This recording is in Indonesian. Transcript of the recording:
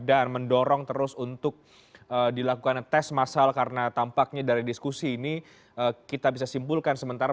dan mendorong terus untuk dilakukan tes massal karena tampaknya dari diskusi ini kita bisa simpulkan sementara